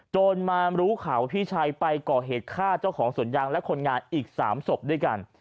จนมารู้ข่าวพี่ชายไปก่อเหตุฆ่าเจ้าของสวนยางและคนงานอีก๓ศพด้วยกัน